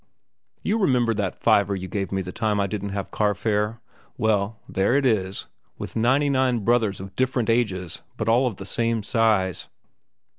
"You remember that fiver you gave me the time I didn't have carfare? Well, there it is, with ninety nine brothers of different ages but all of the same size."